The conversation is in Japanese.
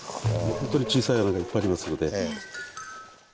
ほんとに小さい穴がいっぱいありますので。